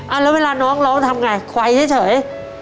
อะแล้อเวลาน้องเรามาทำไงมาหวัยแทนเฉย